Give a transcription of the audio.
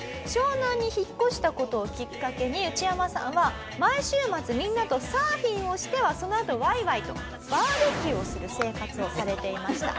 湘南に引っ越した事をきっかけにウチヤマさんは毎週末みんなとサーフィンをしてはそのあとワイワイとバーベキューをする生活をされていました。